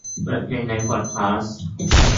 เปิดเพลงในพอดคาสต์